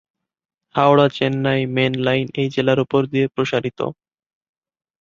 Howrah Chennai main line এই জেলার উপর দিয়ে প্রসারিত।